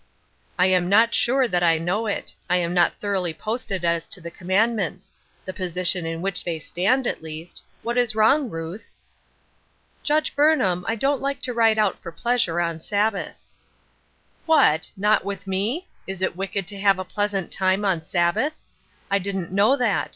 " I am not sure that I know it. I am not thoroughly posted as to the commandments — the position in which they stand at least. What is wrong, Ruth ?"" Judge Burnham, I don't like to ride out for pleasure on Sabbath." " What I not with me ? Is it wicked to have a pleasant time on Sabbath? I didn't know that.